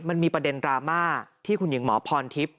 มันมีประเด็นดราม่าที่คุณหญิงหมอพรทิพย์